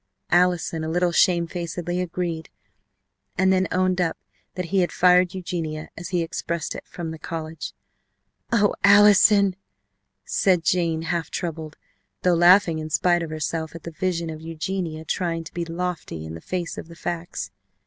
Allison, a little shamefacedly, agreed, and then owned up that he had "fired" Eugenia, as he expressed it, from the college. "O, Allison!" said Jane, half troubled, though laughing in spite of herself at the vision of Eugenia trying to be lofty in the face of the facts.